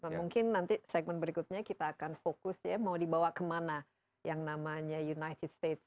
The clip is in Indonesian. nah mungkin nanti segmen berikutnya kita akan fokus ya mau dibawa kemana yang namanya united state